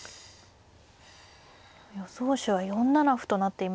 予想手は４七歩となっていますが。